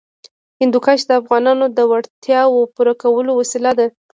هندوکش د افغانانو د اړتیاوو د پوره کولو وسیله ده.